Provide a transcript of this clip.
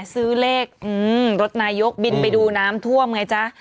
ซื้อเลขรถนายกบินไปดูน้ำท่วมไงจ๊ะ